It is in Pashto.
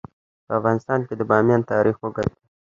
په افغانستان کې د بامیان تاریخ اوږد دی.